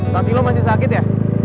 tapi lo masih sakit ya